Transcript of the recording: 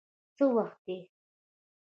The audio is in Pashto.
څه وخت دی؟